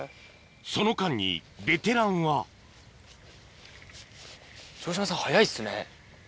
その間にベテランは城島さん早いっすね。